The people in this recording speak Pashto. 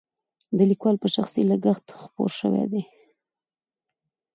د لیکوال په شخصي لګښت خپور شوی دی.